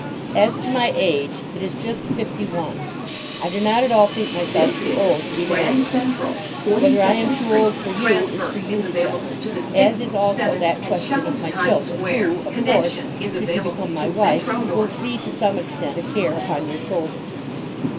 As to my age, it is just fifty one. I do not at all think myself too old to be married again. Whether I am too old for you is for you to judge, as is also that question of my children who, of course, should you become my wife will be to some extent a care upon your shoulders.